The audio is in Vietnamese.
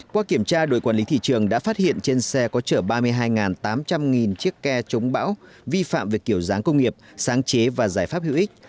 qua kiểm tra đội quản lý thị trường đã phát hiện trên xe có chở ba mươi hai tám trăm linh chiếc ke chống bão vi phạm về kiểu dáng công nghiệp sáng chế và giải pháp hữu ích